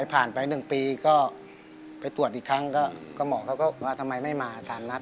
ผ่านไป๑ปีก็ไปตรวจอีกครั้งก็หมอเขาก็ว่าทำไมไม่มาสารนัด